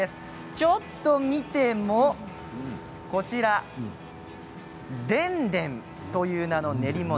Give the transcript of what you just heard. ちょっと見てもこちら、でんでんという名の練り物。